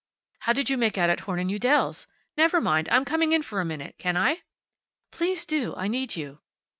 "How did you make out at Horn & Udell's? Never mind, I'm coming in for a minute; can I?" "Please do. I need you."